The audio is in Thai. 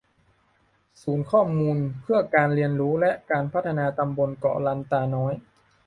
ศูนย์ข้อมูลเพื่อการเรียนรู้และการพัฒนาตำบลเกาะลันตาน้อย